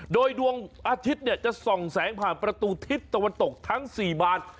โดยดวงอาทิตย์จะส่องแสงผ่านประตูทิศตะวันตกทั้ง๔บาน